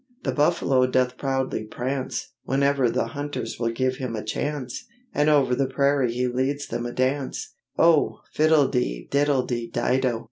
The Buffalo doth proudly prance, Whenever the hunters will give him a chance, And over the prairies he leads them a dance, Oh! fiddledy, diddledy, dido!